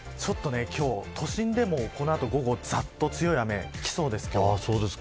都心でも、このあと午後ざっと強い雨がきそうです。